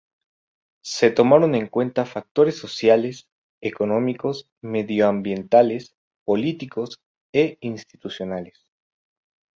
Se tomaron en cuenta factores sociales, económicos, medio ambientales, políticos e institucionales.